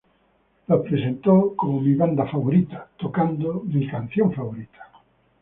Los presentó como "mi banda favorita, tocando mi canción favorita".